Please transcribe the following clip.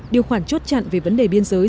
điều khoản chốt chặn về vấn đề biên giới